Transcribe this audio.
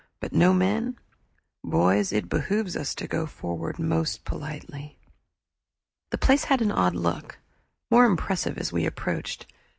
But no men? Boys, it behooves us to go forward most politely." The place had an odd look, more impressive as we approached.